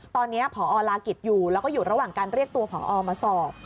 ตอนนี้พอลากิจอยู่แล้วก็อยู่ระหว่างการเรียกตัวผอมาสอบ